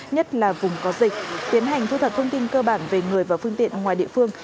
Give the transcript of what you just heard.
nhất là vùng có dịch tiến hành thu thập thông tin cơ bản về người và phương tiện ngoài địa phương